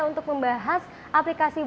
untuk menggunakan aplikasi islami